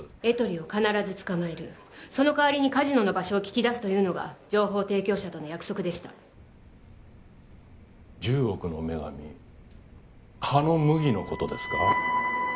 エトリを必ず捕まえるその代わりにカジノの場所を聞き出すというのが情報提供者との約束でした１０億の女神羽野麦のことですか？